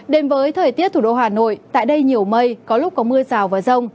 đến với thời tiết thủ đô hà nội tại đây nhiều mây có lúc có mưa rào và rông